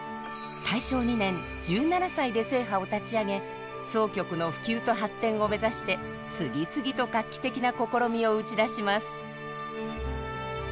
大正２年１７歳で「正派」を立ち上げ箏曲の普及と発展を目指して次々と画期的な試みを打ち出します。